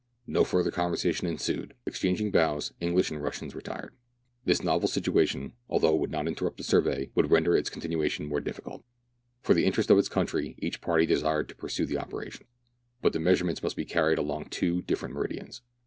No further conversation ensued ; exchanging bows, English and Russians retired. This novel situation, although it would not interrupt the survey, would render its continuation more difficult. For the interest of its country, each party desired to pursue the operations ; but the measurements must be carried along two different meridians.